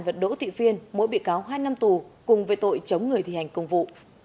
và đỗ thị phiên mỗi bị cáo hai năm tù cùng với tội chống người thi hành công vụ